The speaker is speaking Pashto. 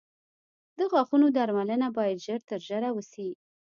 د غاښونو درملنه باید ژر تر ژره وشي.